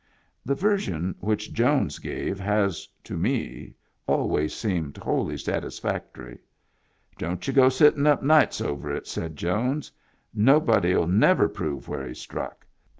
The version which Jones gave has (to me) always seemed wholly satisfactory. "Don't y'u go sittin' up nights over it," said Jones. "No body'U never prove where he struck.